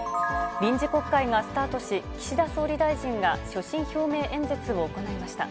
臨時国会がスタートし、岸田総理大臣が所信表明演説を行いました。